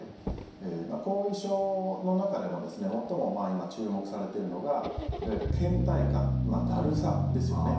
後遺症の中でも最も今注目されているのがいわゆるけん怠感、だるさですよね。